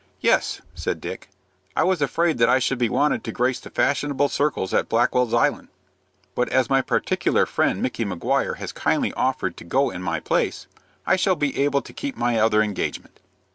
"Yes," said Dick, "I was afraid that I should be wanted to grace the fashionable circles at Blackwell's Island; but as my particular friend Micky Maguire has kindly offered to go in my place, I shall be able to keep my other engagement."